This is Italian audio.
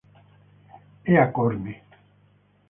È acorne.